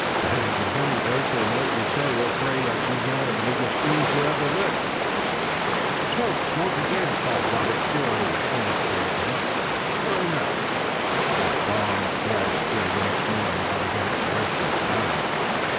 "Then if there's any virtue in what you say we'll pray that these men are the biggest fools who ever lived." "Smoke! smoke again!" called Robert cheerily, pointing straight ahead. Sure enough, that long dark thread appeared once more, now against the western sky.